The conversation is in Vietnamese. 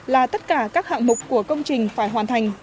là tất cả các hạng mục của công trình phải hoàn thành